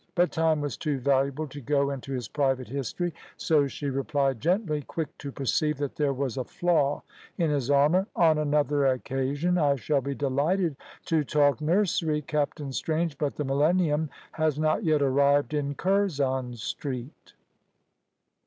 But time was too valuable to go into his private history, so she replied gently, quick to perceive that there was a flaw in his armour, "On another occasion I shall be delighted to talk nursery, Captain Strange; but the millennium has not yet arrived in Curzon Street."